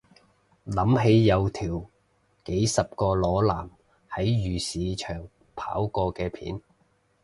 諗起有條幾十個裸男喺漁市場跑過嘅片